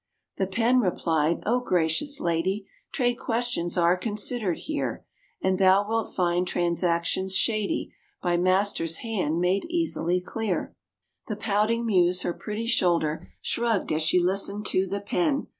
The Pen replied: "O gracious lady, Trade questions are considered here, And thou wilt find transactions shady By master's hand made easily clear." The pouting Muse her pretty shoulder Shrugged as she listened to the Pen.